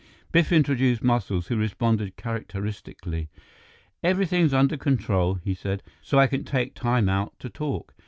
Biff introduced Muscles, who responded characteristically. "Everything's under control," he said, "so I can take time out to talk.